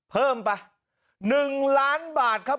เพิ่มไป๑ล้านบาทครับ